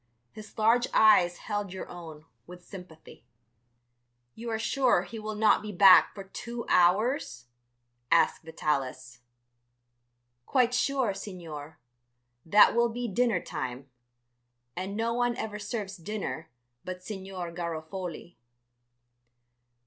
His large eyes held your own with sympathy. "You are sure he will not be back for two hours?" asked Vitalis. "Quite sure, Signor. That will be dinner time, and no one ever serves dinner but Signor Garofoli."